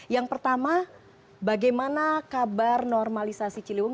yang pertama bagaimana kabar normalisasi ciliwung